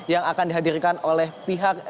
yang akan dihadirkan oleh pihak